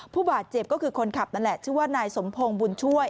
ผู้บาดเจ็บก็คือคนขับนั่นแหละชื่อว่านายสมพงศ์บุญช่วย